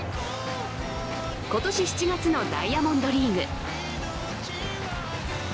今年７月のダイヤモンドリーグ。